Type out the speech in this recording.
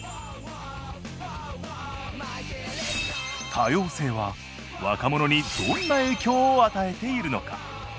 多様性は若者にどんな影響を与えているのか？